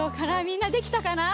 みんなできたかな？